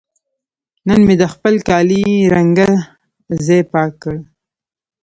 نن مې د خپل کالي رنګه ځای پاک کړ.